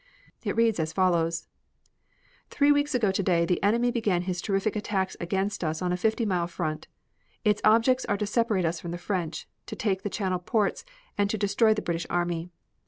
It reads as follows: Three weeks ago today the enemy began his terrific attacks against us on a fifty mile front. Its objects are to separate us from the French, to take the Channel ports, and to destroy the British army.